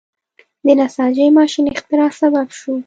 د نساجۍ ماشین اختراع سبب شو.